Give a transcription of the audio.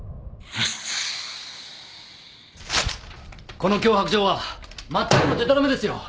この脅迫状はまったくのでたらめですよ。